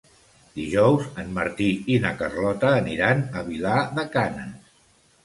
Dijous en Martí i na Carlota aniran a Vilar de Canes.